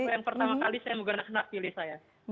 ini yang pertama kali saya menggunakan hak pilih saya